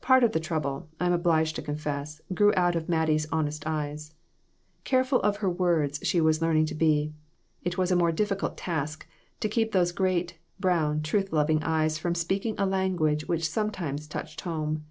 Part of the trouble, I am obliged to confess, grew out of Mattie's honest eyes. Careful of her words she was learning to be ; it was a more diffi cult task to keep those great, brown, truth loving eyes from speaking a language which sometimes touched home.